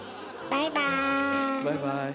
バイバーイ。